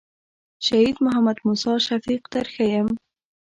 شهید محمد موسی شفیق در ښیم.